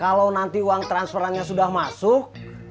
kalau nanti uang transferannya sudah masuk